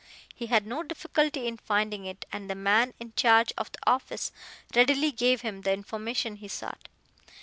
He had no difficulty in finding it, and the man in charge of the office readily gave him the information he sought.